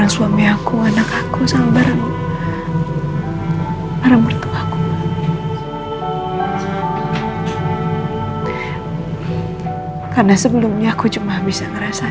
assalamu'alaikum warahmatullahi wabaraka